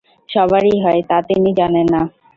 সবারই হয়, তা তিনি জানেন না।